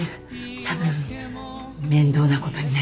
たぶん面倒なことになります。